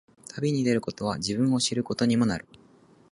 旅に出ることは、自分を知ることにもなる。